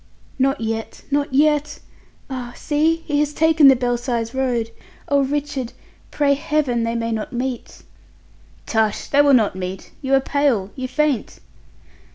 "Not yet, not yet! Ah! see he has taken the Belsize Road. Oh, Richard, pray Heaven they may not meet." "Tush! They will not meet! You are pale, you faint!"